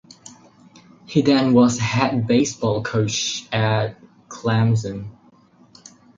He then was head baseball coach at Clemson.